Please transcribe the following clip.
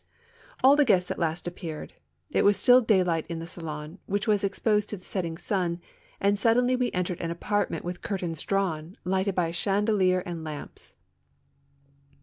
All the guests at last appeared. It was still daylight in the salon, which was exposed to the setting sun, and suddenly we entered an apartment with curtains drawn, lighted by a chandelier and lamps.